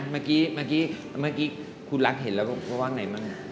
เป็นไงเมื่อกี้คุณลักษณ์เห็นแล้วว่าไหนมั้งนะ